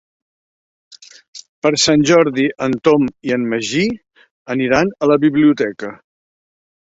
Per Sant Jordi en Tom i en Magí aniran a la biblioteca.